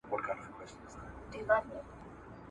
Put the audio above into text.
یو څو نومونه څو جنډۍ د شهیدانو پاته `